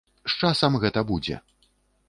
З часам гэта будзе.